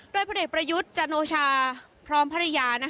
โดยพลเอกประยุทธ์จันโอชาพร้อมภรรยา